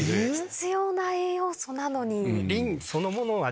必要な栄養素なのに。